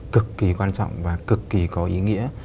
cực kỳ quan trọng và cực kỳ có ý nghĩa